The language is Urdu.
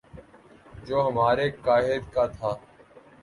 جو ہمارے قاہد کا تھا